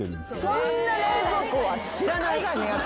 そんな冷蔵庫は知らない。